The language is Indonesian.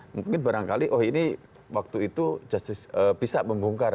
mungkin barangkali oh ini waktu itu justice bisa membongkar